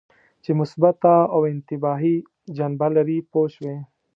چې مثبته او انتباهي جنبه لري پوه شوې!.